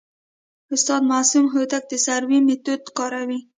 استاد معصوم هوتک د سروې میتود کاروي.